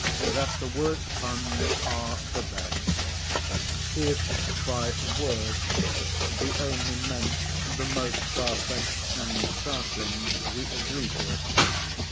IX.—THAT THE WORST PUNS ARE THE BEST If by worst be only meant the most far fetched and startling, we agree to it.